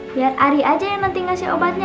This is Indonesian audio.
biar ari aja yang nanti ngasih obatnya